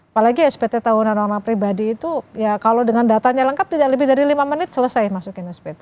apalagi spt tahunan orang pribadi itu ya kalau dengan datanya lengkap tidak lebih dari lima menit selesai masukin spt